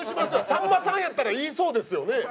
さんまさんやったら言いそうですよね。